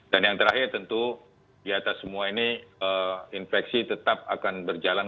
dan yang terakhir tentu di atas semua ini infeksi tetap akan berjalan